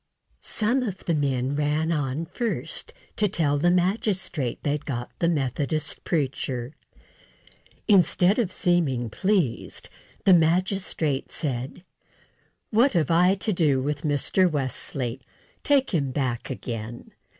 Some of the men ran on first to tell the magistrate they'd got the Methodist preacher. Instead of seeming pleased, the magistrate said: "What have I to do with Mr. Wesley? Take him back again."